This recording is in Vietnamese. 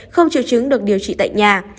không triều chứng được điều trị tại nhà